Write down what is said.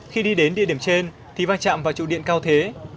khi đi đến địa điểm trên thì vai trạm vào trụ điện cao thế